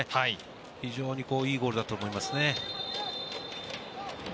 非常にいいゴールだったと思います。